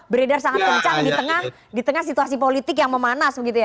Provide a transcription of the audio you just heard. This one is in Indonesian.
beredar sangat kencang di tengah situasi politik yang memanas